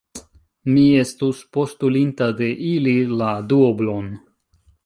Mi estus postulinta de ili la duoblon.